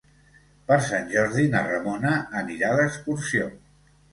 Per Sant Jordi na Ramona anirà d'excursió.